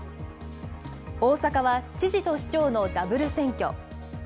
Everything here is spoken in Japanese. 大阪は知事と市長のダブル選挙。